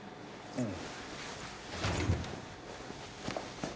うん。